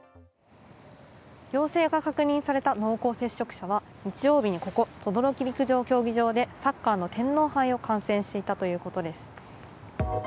陽性が確認された濃厚接触者は日曜日に等々力陸上競技場でサッカーの天皇杯を観戦していたということです。